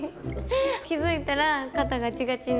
気付いたら肩ガチガチになってます。